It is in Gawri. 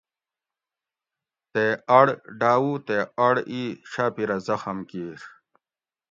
تے اڑ ڈاۤوو تے اڑ ای شاۤپیرہ زخم کِیر